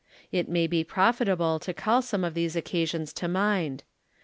It may be profitable to call some of these occasions to mind.